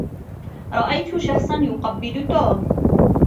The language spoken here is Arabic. رأيت شخصا يقبّل توم.